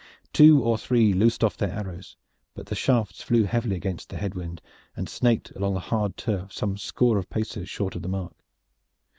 Two or three loosed off their arrows, but the shafts flew heavily against the head wind, and snaked along the hard turf some score of paces short of the mark.